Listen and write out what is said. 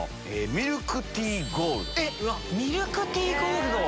ミルクティーゴールド！